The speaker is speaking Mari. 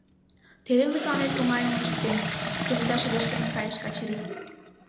«Теве мый тыланет оҥайым ончыктем, — кенета шыдешкен кайыш Качырий.